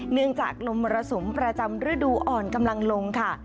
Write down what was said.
เนื่องจากลมมรสุมประจำฤดูอ่อนกำลังลงค่ะ